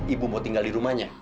ibu mau tinggal di rumahnya